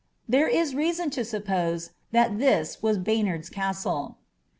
There is reason to suppose that this was BaynanPs Cattle.